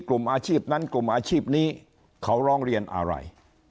กลุ่มอาชีพนั้นกลุ่มอาชีพนี้เขาร้องเรียนอะไร